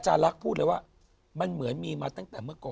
รักพูดเลยว่ามันเหมือนมีมาตั้งแต่เมื่อก่อน